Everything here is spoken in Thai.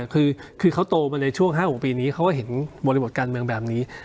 คือเขาโตมาในช่วง๕๖ปีนี้เขาก็เห็นบริบทการเมืองแบบนี้